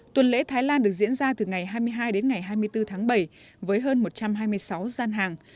tuần lễ thái lan được diễn ra từ ngày hai mươi hai đến ngày hai mươi bốn tháng bảy với hơn một trăm hai mươi sáu gian hàng